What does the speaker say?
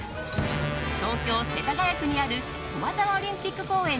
東京・世田谷区にある駒沢オリンピック公園